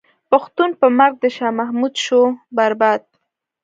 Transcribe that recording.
پښتون په مرګ د شاه محمود شو برباد.